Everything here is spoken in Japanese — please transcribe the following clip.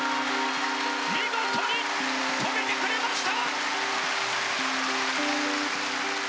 見事に止めてくれました！